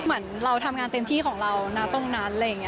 เหมือนเราทำงานเต็มที่ของเราตรงนั้น